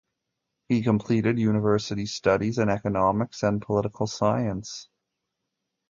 He completed university studies in economics and political science.